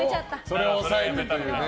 それで抑えてっていうね。